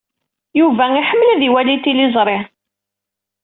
Yuba iḥemmel ad iwali tiliẓri.